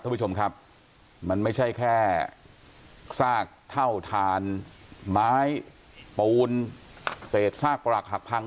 ท่านผู้ชมครับมันไม่ใช่แค่ซากเท่าทานไม้ปูนเศษซากประหลักหักพัง